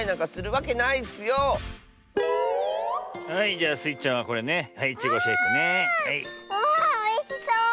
わあおいしそう！